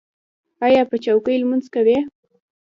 ایا په چوکۍ لمونځ کوئ؟